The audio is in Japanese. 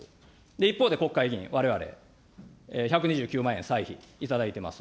一方で国会議員、われわれ、１２９万円歳費、頂いています。